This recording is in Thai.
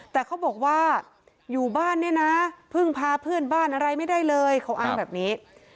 แต่เขาบอกว่าอยู่บ้านเนี่ยนะเพิ่งพาเพื่อนบ้านอะไรไม่ได้เลยเขาอ้างแบบนี้